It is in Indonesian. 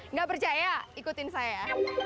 nggak percaya ikutin saya